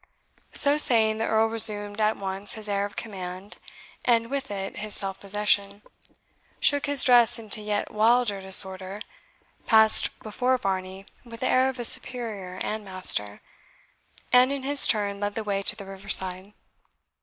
So saying, the Earl resumed at once his air of command, and with it his self possession shook his dress into yet wilder disorder passed before Varney with the air of a superior and master, and in his turn led the way to the river side.